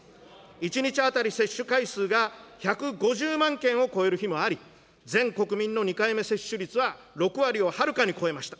１日当たり接種回数が１５０万件を超える日もあり、全国民の２回目接種率は６割をはるかに超えました。